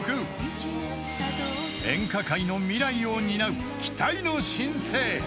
［演歌界の未来を担う期待の新星］